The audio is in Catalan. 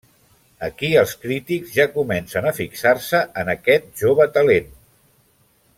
Aquí els crítics ja comencen a fixar-se en aquest jove talent.